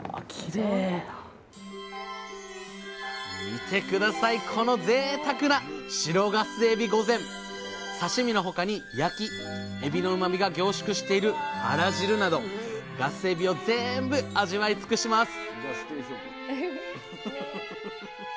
見て下さいこのぜいたくな刺身の他に焼きエビのうまみが凝縮しているあら汁などガスエビを全部味わいつくします！